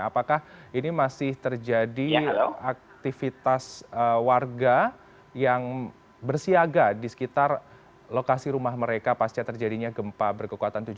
apakah ini masih terjadi aktivitas warga yang bersiaga di sekitar lokasi rumah mereka pasca terjadinya gempa berkekuatan tujuh